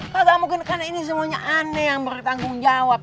kaga mungkin karena ini semuanya ana yang bertanggung jawab